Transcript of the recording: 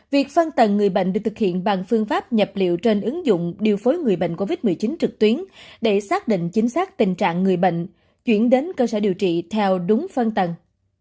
việc phân tần người bệnh được thực hiện bằng phương pháp nhập liệu trên ứng dụng điều phối người bệnh covid một mươi chín trực tuyến để xác định chính xác tình trạng người bệnh chuyển đến cơ sở điều trị theo đúng phân tầng